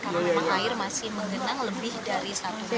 karena memang air masih mengenang lebih dari seratus meter